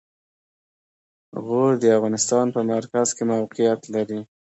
غور د افغانستان په مرکز کې موقعیت لري.